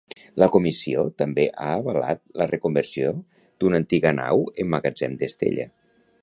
La Comissió també ha avalat la reconversió d'una antiga nau en magatzem d'estella.